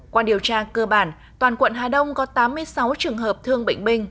qua điều tra cơ bản toàn quận hà đông có tám mươi sáu trường hợp thương bệnh binh